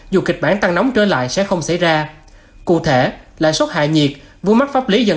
dù kịch bản tăng nóng trở lại sẽ không xảy ra cụ thể lãi suất hạ nhiệt vươn mắc pháp lý dần